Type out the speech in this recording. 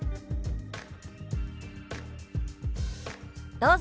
どうぞ。